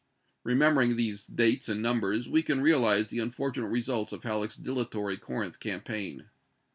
Remembering these dates and numbers, we can realize the unfortunate results of Halleck's dilatory Corinth campaign.